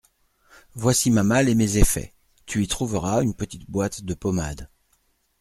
Voici ma malle et mes effets ; tu y trouveras une petite boîte de pommade.